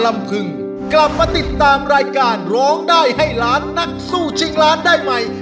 มาติดตามรายการร้องได้ให้ล้านนักสู้ชิงล้านได้ไหม